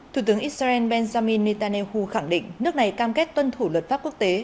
thủ tướng israel benjamin netanyahu khẳng định nước này cam kết tuân thủ luật pháp quốc tế